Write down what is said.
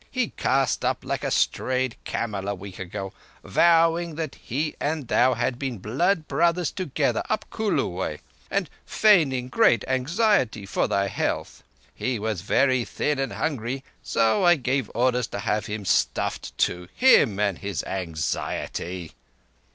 He cast up like a strayed camel a week ago, vowing that he and thou had been blood brothers together up Kulu way, and feigning great anxiety for thy health. He was very thin and hungry, so I gave orders to have him stuffed too—him and his anxiety!"